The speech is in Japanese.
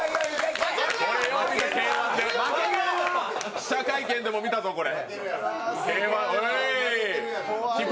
記者会見でも見たぞ、これ。